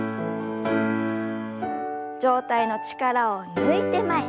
上体の力を抜いて前。